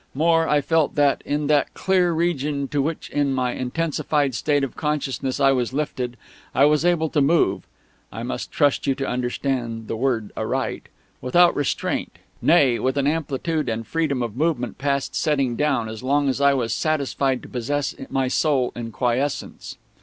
More, I felt that, in that clear region to which in my intensified state of consciousness I was lifted, I was able to move (I must trust you to understand the word aright) without restraint, nay, with an amplitude and freedom of movement past setting down, as long as I was satisfied to possess my soul in quiescence.